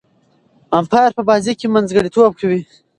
امپایر په بازي کښي منځګړیتوب کوي.